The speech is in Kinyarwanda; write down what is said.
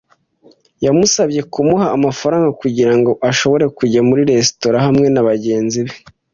Yamusabye kumuha amafaranga kugirango ashobore kujya muri resitora hamwe nabagenzi be.